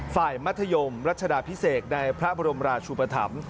มัธยมรัชดาพิเศษในพระบรมราชุปธรรม